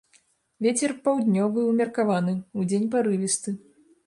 Вецер паўднёвы ўмеркаваны, удзень парывісты.